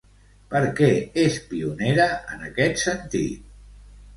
Per què és pionera, en aquest sentit?